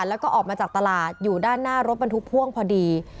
แล้วก็ออกมาจากตลาดอยู่ด้านหน้ารถบรรทุกพ่วงพอดี